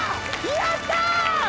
やった！